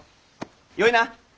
よいな？